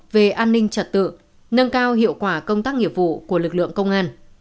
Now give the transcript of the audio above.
về an ninh trật tự nâng cao hiệu quả công tác nghiệp vụ của lực lượng công an